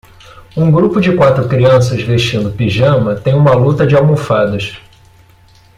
Um grupo de quatro crianças vestindo pijama tem uma luta de almofadas.